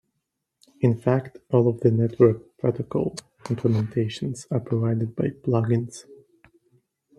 In fact, all of the network protocol implementations are provided by plugins.